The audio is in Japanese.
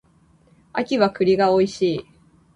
秋は栗が美味しい